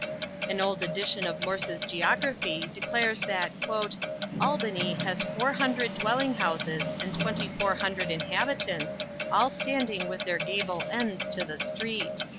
An old edition of Morse's geography declares that "Albany has four hundred dwelling houses and twenty four hundred inhabitants, all standing with their gable ends to the street."